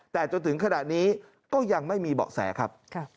แต่จนถึงขณะนี้ก็ยังไม่มีเบาะแสครับ